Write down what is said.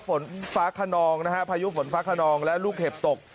ฝนฟ้าขนองนะฮะพายุฝนฟ้าขนองและลูกเห็บตก